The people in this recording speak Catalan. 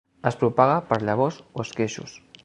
Es propaga per llavors o esqueixos.